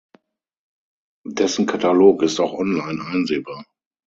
Dessen Katalog ist auch online einsehbar.